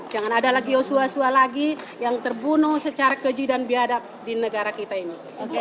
jangan ada lagi yosua sua lagi yang terbunuh secara keji dan biadab di negara kita ini